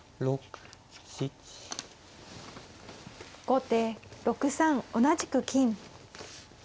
後手６三同じく金。